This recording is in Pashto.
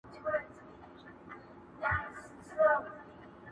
یو ګنجی خدای برابر پر دې بازار کړ٫